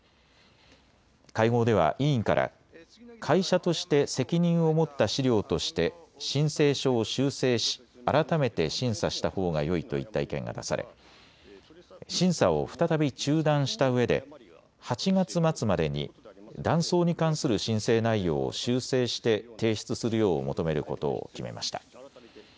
会合では委員から会社として責任を持った資料として申請書を修正し改めて審査したほうがよいといった意見が出され審査を再び中断したうえで８月末までに断層に関する申請内容を修正して提出するよう求めることを決めました。